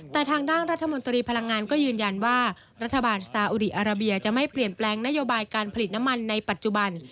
แต่ทางด้านรัฐมนตรีพลังงานก็ยืนยันว่ารัฐบาลซาอุดีอาราเบียจะไม่เปลี่ยนแปลงนโยบายการผลิตน้ำมันในปัจจุบัน